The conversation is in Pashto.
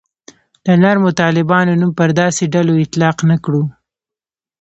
د نرمو طالبانو نوم پر داسې ډلو اطلاق نه کړو.